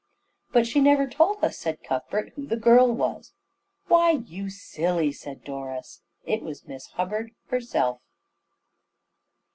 "But she never told us," said Cuthbert, "who the girl was." "Why, you silly," said Doris, "it was Miss Hubbard herself."